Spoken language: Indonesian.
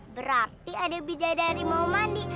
berarti ada bidadari mau mandi